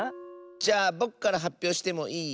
じゃあぼくからはっぴょうしてもいい？